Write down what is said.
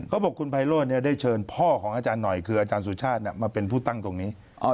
เขาบอกคุณไพโรธได้เชิญพ่อของอาจารย์หน่อยคืออาจารย์สุชาติมาเป็นผู้ตั้งตรงนี้